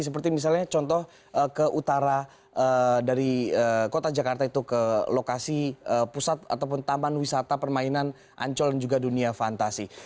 seperti misalnya contoh ke utara dari kota jakarta itu ke lokasi pusat ataupun taman wisata permainan ancol dan juga dunia fantasi